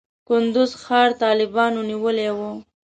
کندز ښار طالبانو نیولی و.